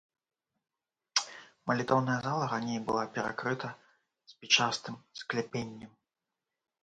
Малітоўная зала раней была перакрыта спічастым скляпеннем.